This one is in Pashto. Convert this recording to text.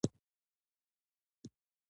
ملي ګټې باید لومړیتوب وي